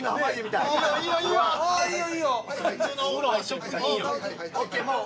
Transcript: いいよ。